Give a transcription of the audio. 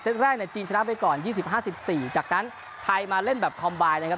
เซตแรกเนี่ยจีนชนะไปก่อนยี่สิบห้าสิบสี่จากนั้นไทยมาเล่นแบบคอมบายนะครับ